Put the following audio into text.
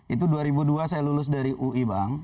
itu dua ribu dua saya lulus dari ui bang